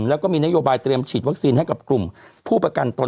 แล้วก็มีนโยบายเตรียมฉีดวัคซีนให้กับกลุ่มผู้ประกันตน